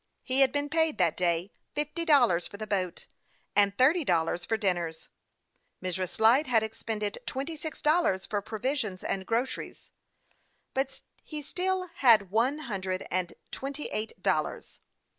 He had' been paid, that day, fifty dollars for the boat, and thirty dollars for dinners. Mrs. Light had expended twenty six dollars for pro visions and groceries, but he still had one hundred and twenty eight dollars.